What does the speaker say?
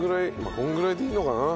このぐらいでいいのかな？